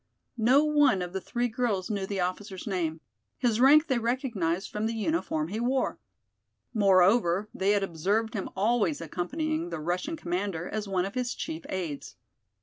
No one of the three girls knew the officer's name; his rank they recognized from the uniform he wore. Moreover, they had observed him always accompanying the Russian commander as one of his chief aides.